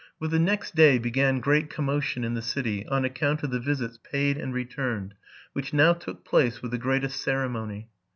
With the next day began great commotion in the city, on account of the visits paid and returned, which now took place with the greatest ceremony.